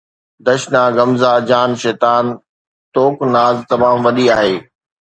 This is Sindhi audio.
”دشنا غمزه جان شيطان“ نوڪ ناز تمام وڏي آهي